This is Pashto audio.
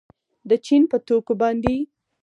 د چین په توکو باندې